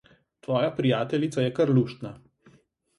Tvoja prijateljica je kar luštna.